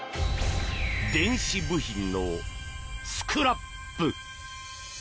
電子部品のスクラップ！